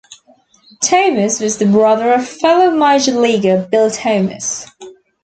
Thomas was the brother of fellow Major Leaguer, Bill Thomas.